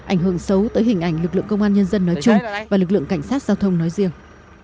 ảnh hưởng xấu tới hình ảnh lực lượng công an nhân dân nói chung và lực lượng cảnh sát giao thông nói riêng